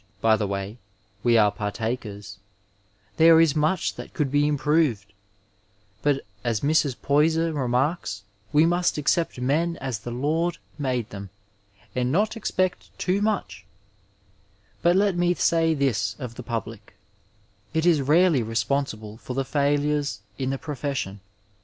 850 Digitized by Google OF THE MEDICAL SOCIETY tud way, we are partakers, there is much that could be improved, but, as Mrs. Poyser remarks, we must accept men as the Lord made them, and not expect too much. But let me say this of the public: it is rarely responsible for the failures in the profession.